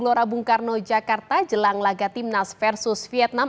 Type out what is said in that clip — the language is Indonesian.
gelora bung karno jakarta jelang laga timnas versus vietnam